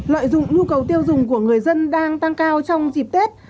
lợi dụng nhu cầu tiêu dùng của người dân đang tăng cao trong dịp tết